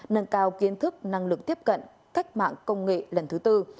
nâng cao kiến thức năng lực tiếp cận cách mạng công nghệ lần thứ tư